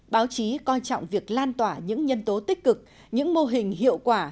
báo chí coi trọng việc lan tỏa những nhân tố tích cực những mô hình hiệu quả